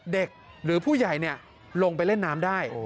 หรือผู้ใหญ่ลงไปเล่นน้ำได้